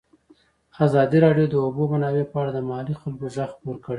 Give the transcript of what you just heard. ازادي راډیو د د اوبو منابع په اړه د محلي خلکو غږ خپور کړی.